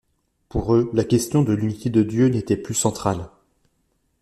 Pour eux, la question de l'unité de Dieu n'était plus centrale.